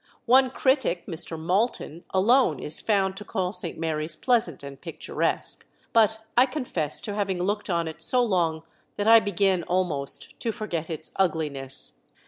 One critic (Mr. Malton) alone is found to call St. Mary's pleasant and picturesque; but I confess to having looked on it so long that I begin almost to forget its ugliness.